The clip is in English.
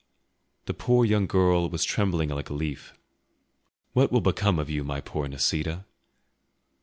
The poor young girl was trembling like a leaf. "What will become of you, my poor Nisida?"